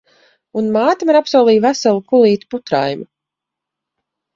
Un māte man apsolīja veselu kulīti putraimu.